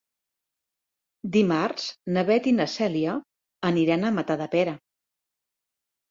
Dimarts na Beth i na Cèlia aniran a Matadepera.